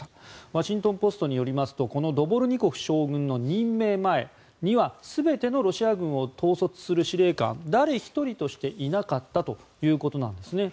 ワシントン・ポストによりますとドボルニコフ将軍の任命前には全てのロシア軍を統率する司令官は、誰一人としていなかったということなんですよね。